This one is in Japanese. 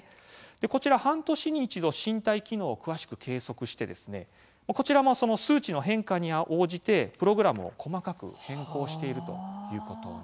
こちら、半年に一度身体機能を詳しく計測してこちらも数値の変化に応じてプログラムを細かく変更しているということなんです。